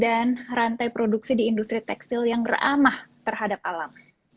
dan rantai produksi di industri tekstil yang ramah terhadap alam